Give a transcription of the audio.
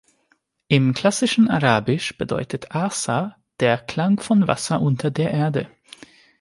Im klassischen Arabisch bedeutet Ahsa „der Klang von Wasser unter der Erde“.